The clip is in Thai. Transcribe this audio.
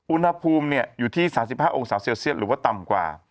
อุณหภูมิอยู่ที่๓๕องศาเซลเซียสหรือว่าต่ำกว่า